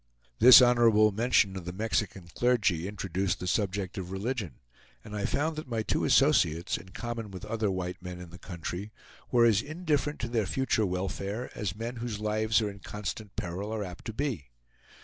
This honorable mention of the Mexican clergy introduced the subject of religion, and I found that my two associates, in common with other white men in the country, were as indifferent to their future welfare as men whose lives are in constant peril are apt to be.